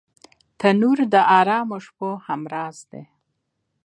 تنور د ارامو شپو همراز دی